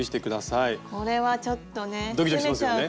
これはちょっとね。